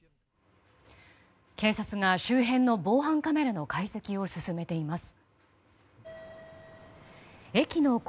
警察が周辺の防犯カメラの解析を進めています。